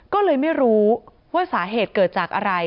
ก็เลยไม่รู้ว่าสาเหตุเกิดจากอะไร